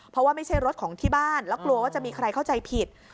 เพราะว่าไม่ใช่รถของที่บ้านแล้วกลัวว่าจะมีใครเข้าใจผิด